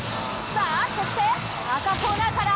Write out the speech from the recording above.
さぁそして赤コーナーから。